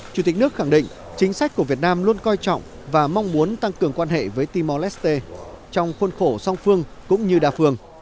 chủ tịch nước khẳng định chính sách của việt nam luôn coi trọng và mong muốn tăng cường quan hệ với timor leste trong khuôn khổ song phương cũng như đa phương